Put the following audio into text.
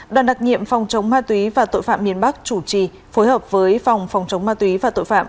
đoàn đặc nhiệm phòng chống ma túy và tội phạm miền bắc chủ trì phối hợp với phòng phòng chống ma túy và tội phạm